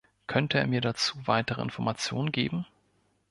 Könnte er mir dazu weitere Informationen geben?